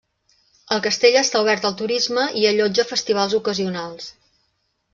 El castell està obert al turisme, i allotja festivals ocasionals.